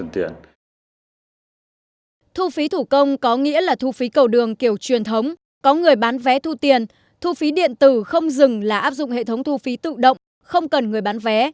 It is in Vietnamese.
thu phí thủ công có nghĩa là thu phí cầu đường kiểu truyền thống có người bán vé thu tiền thu phí điện tử không dừng là áp dụng hệ thống thu phí tự động không cần người bán vé